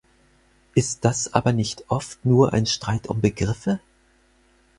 Ist das aber nicht oft nur ein Streit um Begriffe?